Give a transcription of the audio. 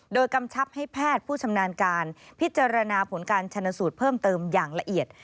โดยกำชับให้แพทย์ผู้ชำนาญการพิจารณาผลการชนสูตรเพิ่มเติมอย่างละเอียด